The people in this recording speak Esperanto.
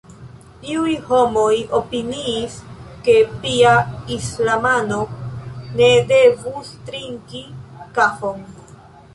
Iuj homoj opiniis, ke pia islamano ne devus trinki kafon.